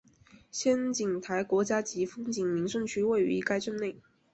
仙景台国家级风景名胜区位于该镇内。